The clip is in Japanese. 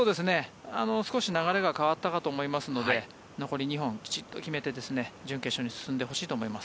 少し流れが変わったかと思いますので残り２本きちんと決めて準決勝に進んでほしいと思います。